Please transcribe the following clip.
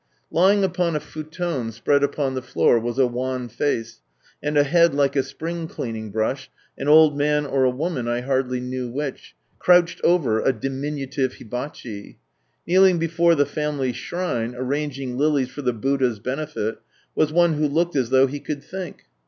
Lying upon a futon spread upon the floor was a wan face, and a head like a spring cleaning brush, an old man or a woman, 1 hardly knew which — crouched over a diminutive hibachi. Kneeling be fore the family shrine, arranging lilies for the Buddha's benefit, was one who looked as though he could think.